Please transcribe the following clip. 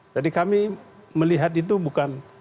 jadi kami melihat itu bukan